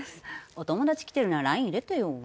お友達来てるならＬＩＮＥ入れてよ